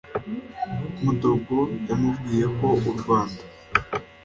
mudogo yamubwiyeko u rwanda